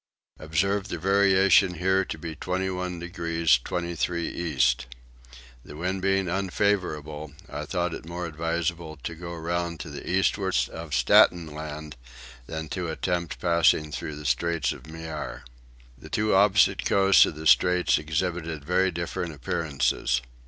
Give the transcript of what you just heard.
Observed the variation here to be 21 degrees 23 east. The wind being unfavourable I thought it more advisable to go round to the eastward of Staten Land than to attempt passing through Straits le Maire. The two opposite coasts of the Straits exhibited very different appearances.